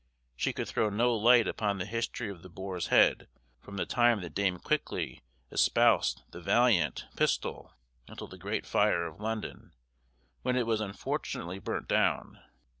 She could throw no light upon the history of the Boar's Head from the time that Dame Quickly espoused the valiant Pistol until the great fire of London when it was unfortunately burnt down.